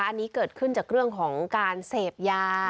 อันนี้เกิดขึ้นจากการเศพยา